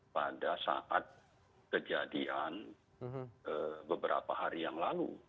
pada saat kejadian beberapa hari yang lalu